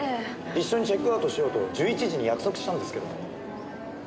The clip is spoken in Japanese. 一緒にチェックアウトしようと１１時に約束したんですけど。